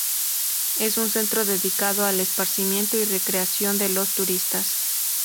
Es un centro dedicado al esparcimiento y recreación de los turistas.